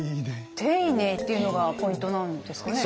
丁寧っていうのがポイントなんですかね？